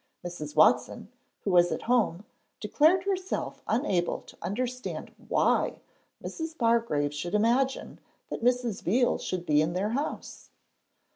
Mrs. Watson, who was at home, declared herself unable to understand why Mrs. Bargrave should imagine that Mrs. Veal should be in their house.